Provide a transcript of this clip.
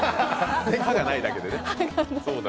歯がないだけでね。